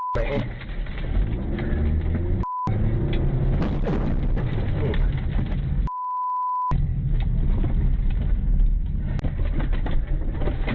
แม่ง